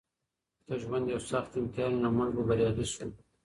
که ژوند یو سخت امتحان وي نو موږ به بریالي شو.